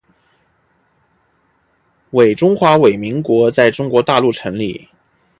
中华民国在中国大陆成立